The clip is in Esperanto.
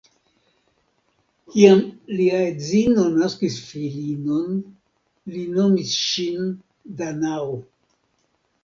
Kiam lia edzino naskis filinon, li nomis ŝin Danao.